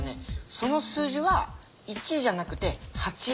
その数字は１じゃなくて８。